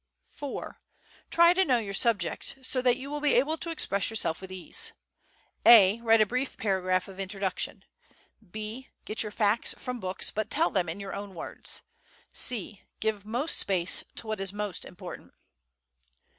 IV. Try to know your subject so that you will be able to express yourself with ease. A. Write a brief paragraph of introduction. B. Get your facts from books, but tell them in your own words. C. Give most space to what is most important.